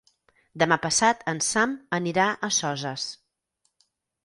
Demà passat en Sam anirà a Soses.